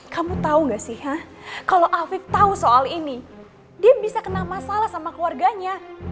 kamu tahu gak sih ya kalau afiq tahu soal ini dia bisa kena masalah sama keluarganya